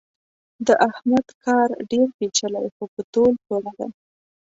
د احمد کار ډېر پېچلی خو په تول پوره دی.